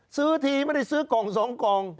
ซื้อทีไม่ได้ซื้อกล่อง๒กล่อง